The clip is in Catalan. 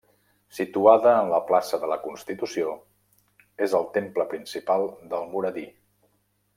Situada en la plaça de la Constitució, és el temple principal d'Almoradí.